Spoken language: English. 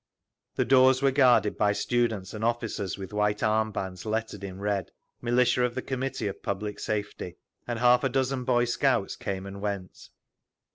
The doors were guarded by students and officers with white arm bands lettered in red, "Militia of the Committee of Public Safety," and half a dozen boy scouts came and went.